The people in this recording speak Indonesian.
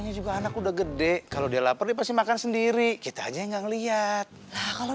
ini juga anak udah gede kalau dia lapar dia pasti makan sendiri kita aja nggak ngeliat kalau